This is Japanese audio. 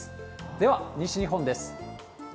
では、西日本です。